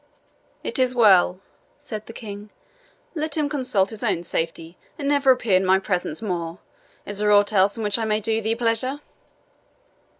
"It is well," said the King; "let him consult his own safety, and never appear in my presence more. Is there aught else in which I may do thee pleasure?"